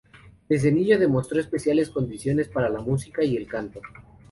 Desde niño, demostró especiales condiciones para la música y el canto.